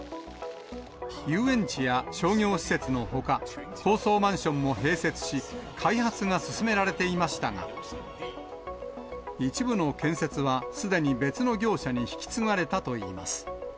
遊園地や商業施設のほか、高層マンションも併設し、開発が進められていましたが、一部の建設はすでに別の業者に引き継がれたといいます。